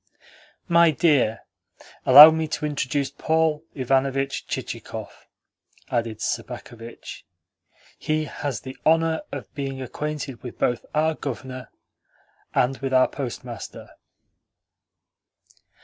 "My dear, allow me to introduce Paul Ivanovitch Chichikov," added Sobakevitch. "He has the honour of being acquainted both with our Governor and with our Postmaster."